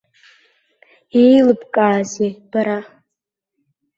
Иеилыбкаазеи бара?